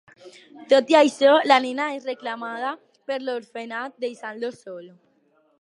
Tot i això, la nena és reclamada per l’orfenat deixant-lo sol.